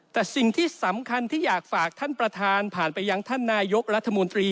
แต่สิ่งที่สำคัญที่อยากฝากท่านประธานผ่านไปยังท่านนายกรัฐมนตรี